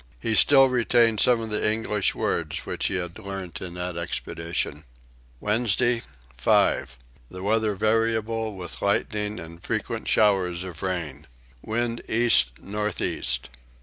He still retained some of the English words which he had learnt in that expedition. Wednesday 5. The weather variable with lightning and frequent showers of rain. Wind east north east.